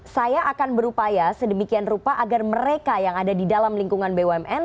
saya akan berupaya sedemikian rupa agar mereka yang ada di dalam lingkungan bumn